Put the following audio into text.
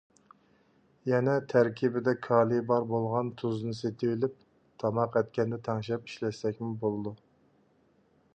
يەنە تەركىبىدە كالىي بار بولغان تۇزنى سېتىۋېلىپ تاماق ئەتكەندە تەڭشەپ ئىشلەتسىمۇ بولىدۇ.